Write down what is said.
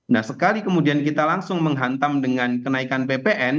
nah sekali kemudian kita langsung menghantam dengan kenaikan ppn